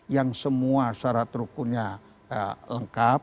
yang semua syarat rukunnya lengkap